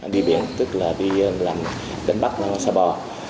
đi biển tức là đi làm đánh bắt xa bờ